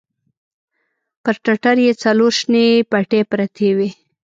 پر ټټر يې څلور شنې پټې پرتې وې.